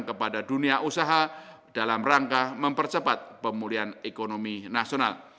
kepada dunia usaha dalam rangka mempercepat pemulihan ekonomi nasional